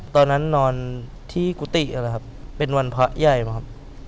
ตอนนั้นนอนที่กุติเป็นวันพระย่ายมั้ยครับ